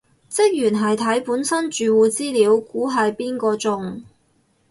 職員係睇本身住戶資料估係邊個中